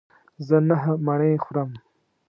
زه نهه مڼې خورم.